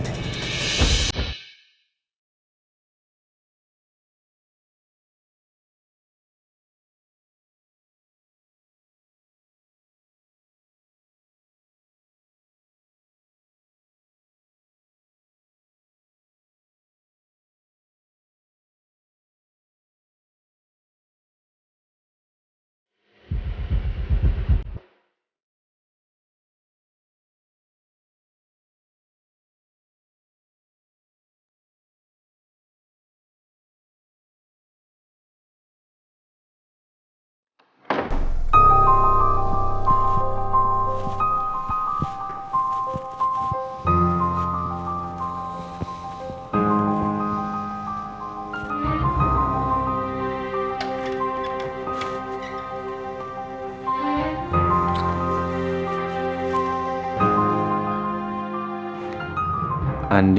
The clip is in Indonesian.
mungkin gue bisa dapat petunjuk lagi disini